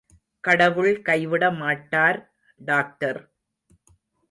கடவுள் கைவிடமாட்டார் டாக்டர்.